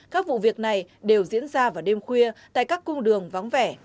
các vụ việc này đều diễn ra vào đêm khuya tại các cung đường vắng vẻ